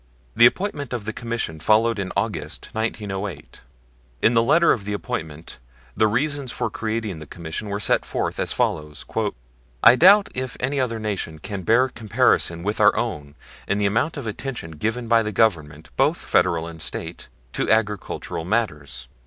The appointment of the Commission followed in August, 1908. In the letter of appointment the reasons for creating the Commission were set forth as follows: "I doubt if any other nation can bear comparison with our own in the amount of attention given by the Government, both Federal and State, to agricultural matters.